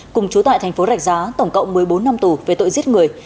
cùng chú tại thành phố rạch giá tổng cộng một mươi bốn năm tù về tội giết người